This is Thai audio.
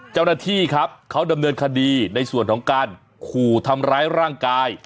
เจ้าหน้าที่ครับเขาดำเนินคดีในส่วนของการขู่ทำร้ายร่างกาย